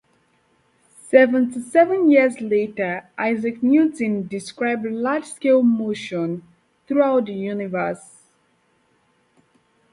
Seventy-seven years later, Isaac Newton described large-scale motion throughout the universe.